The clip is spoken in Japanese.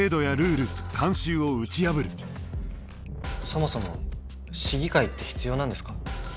そもそも市議会って必要なんですか？